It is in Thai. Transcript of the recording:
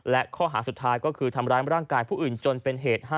และข้อหาสุดท้ายก็คือทำร้ายร่างกายผู้อื่นจนเป็นเหตุ๕